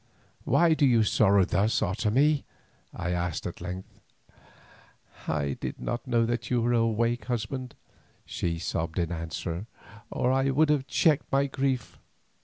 "Why do you sorrow thus, Otomie?" I asked at length. "I did not know that you were awake, husband," she sobbed in answer, "or I would have checked my grief.